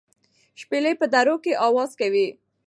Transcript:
شپېلۍ په درو کې اواز کوي.